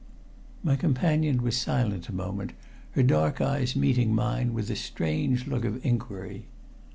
My companion was silent a moment, her dark eyes meeting mine with a strange look of inquiry.